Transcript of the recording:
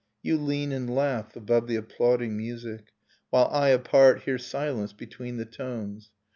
You lean and laugh above the applauding music, While I, apart, hear silence between the tones.